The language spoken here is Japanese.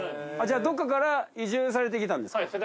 どこかから移住されてきたんですか？